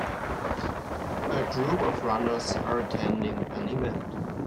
A group of runners are attending an event.